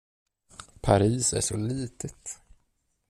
Paris är så litet.